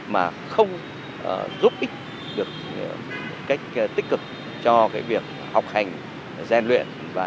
mà không giúp ích được cách tích cực cho cái việc học hành gian luyện